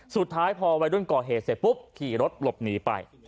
สุดท้ายพอวัยรุ่นก่อเหตุเสร็จปุ๊บขี่รถหลบหนีไป